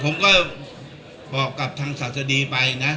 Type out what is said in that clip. ผมก็บอกกับทางศาสดีไปนะ